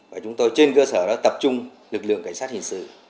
và chúng tôi trên cơ sở đó tập trung lực lượng cảnh sát hình sự